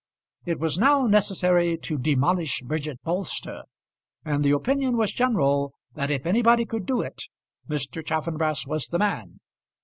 It was now necessary to demolish Bridget Bolster, and the opinion was general that if anybody could do it Mr. Chaffanbrass was the man.